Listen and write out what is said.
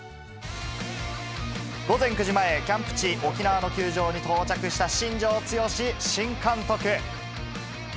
午前９時前、キャンプ地、沖縄の球場に到着した新庄剛志新監督。